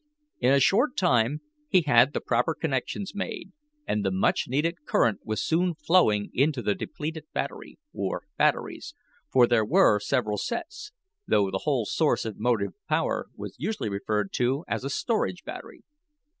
In a short time he had the proper connections made, and the much needed current was soon flowing into the depleted battery, or batteries, for there were several sets, though the whole source of motive power was usually referred to as a "storage battery."